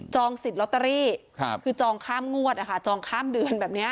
จองสิทธิ์ล็อตเตอรี่ครับคือจองข้ามงวดอ่ะค่ะจองข้ามเดือนแบบเนี้ย